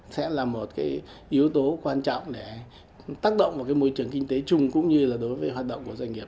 sẽ là một cái yếu tố quan trọng để tác động vào cái môi trường kinh tế chung cũng như là đối với hoạt động của doanh nghiệp